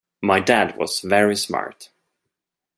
My Dad was very smart.